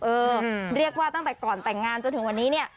เรียกว่าตั้งแต่ก่อนแต่งงานจนถึงวันนี้เนี่ย